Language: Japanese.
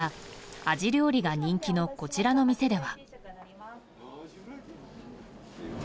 今夜、アジ料理が人気のこちらの店では。